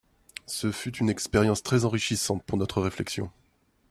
Ce fut une expérience très enrichissante pour notre réflexion.